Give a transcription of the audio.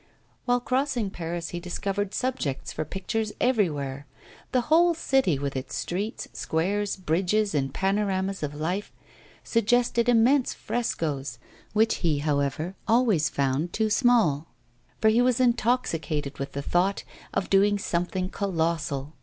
While crossing Paris he discovered subjects for pictures everywhere; the whole city, with its streets, squares, bridges, and panoramas of life, suggested immense frescoes, which he, however, always found too small, for he was intoxicated with the thought of doing something colossal.